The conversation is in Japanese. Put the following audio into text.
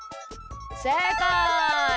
せいかい！